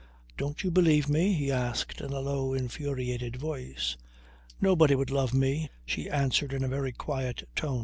"Don't you believe me?" he asked in a low, infuriated voice. "Nobody would love me," she answered in a very quiet tone.